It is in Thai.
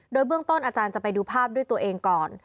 โดยเบื้องต้นอาจารย์จะไปดูภาพด้วยตัวเองก่อน